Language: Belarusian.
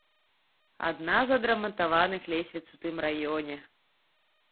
Адна з адрамантаваных лесвіц у тым раёне.